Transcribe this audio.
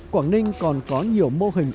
quảng ninh còn có nhiều mô hình